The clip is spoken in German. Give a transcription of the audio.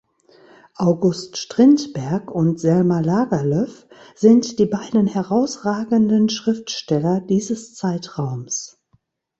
August Strindberg und Selma Lagerlöf sind die beiden herausragenden Schriftsteller dieses Zeitraums.